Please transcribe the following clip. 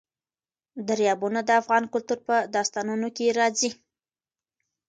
دریابونه د افغان کلتور په داستانونو کې راځي.